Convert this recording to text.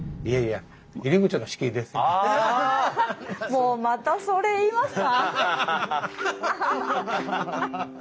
もうまたそれ言いますか？